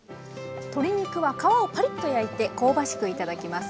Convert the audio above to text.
鶏肉は皮をパリッと焼いて香ばしく頂きます。